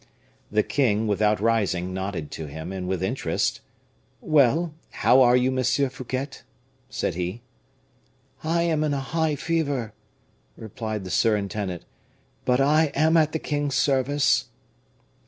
The king, without rising, nodded to him, and with interest: "Well! how are you, Monsieur Fouquet?" said he. "I am in a high fever," replied the surintendant; "but I am at the king's service."